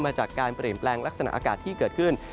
จากการเปลี่ยนแปลงลักษณะอากาศที่เกิดขึ้น